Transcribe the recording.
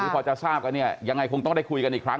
พอจะทราบกันเนี่ยยังไงคงต้องได้คุยกันอีกครั้ง